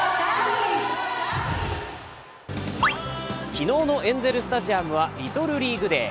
昨日のエンゼルスタジアムはリトルリーグ・デー。